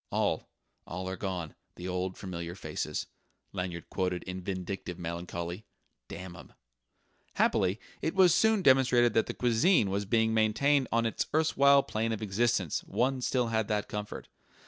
"'All, all are gone, the old familiar faces,'" Lanyard quoted in vindictive melancholy "damn 'em!" Happily, it was soon demonstrated that the cuisine was being maintained on its erstwhile plane of excellence: one still had that comfort....